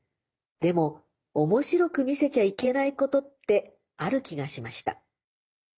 でも面白く見せちゃいけないことってある気がしました」。